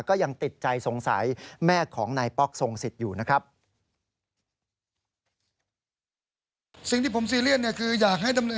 ก็ยังติดใจสงสัยแม่ของนายป๊อกทรงสิทธิ์อยู่นะครับ